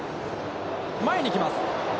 前に来ます。